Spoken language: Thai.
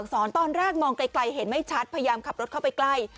ตอนแรกมองไกลเห็นไม่ชัดพยายามขับรถเข้าไปใกล้